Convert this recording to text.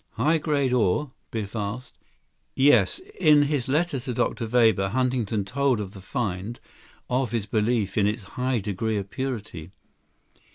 "High grade ore?" Biff asked. "Yes. In his letter to Dr. Weber, Huntington told of the find, of his belief in its high degree of purity.